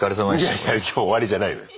いやいや今日終わりじゃないのよ。